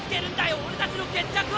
オレたちの決着は！